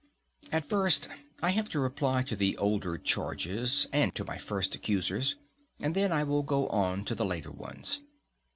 And first, I have to reply to the older charges and to my first accusers, and then I will go on to the later ones.